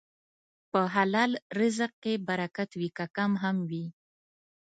په حلال رزق کې برکت وي، که کم هم وي.